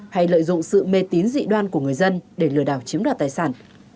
hay lợi dụng sự mê tín dị đoan của người dân để lừa đảo chiếm đoạt tài sản